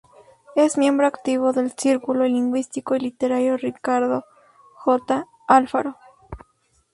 Es miembro activa del Círculo Lingüístico y Literario Ricardo, J. Alfaro.